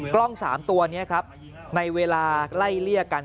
กล้อง๓ตัวนี้ครับในเวลาไล่เลี่ยกัน